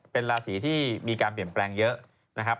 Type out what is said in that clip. เป็นราศีที่มีการเปลี่ยนแปลงเยอะนะครับ